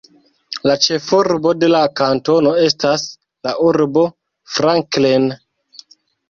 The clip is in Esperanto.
La ĉefurbo de la kantono estas la urbo Franklin.